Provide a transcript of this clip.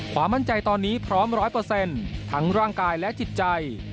ความมั่นใจตอนนี้พร้อม๑๐๐ทั้งร่างกายและจิตใจ